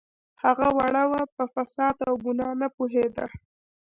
هغه وړه وه په فساد او ګناه نه پوهیده